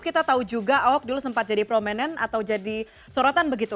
kita tahu juga ahok dulu sempat jadi promenen atau jadi sorotan begitu